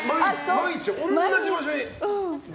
毎日、同じ場所に。